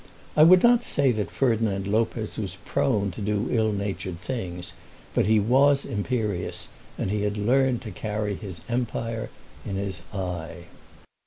I would not say that Ferdinand Lopez was prone to do ill natured things; but he was imperious, and he had learned to carry his empire in his eye.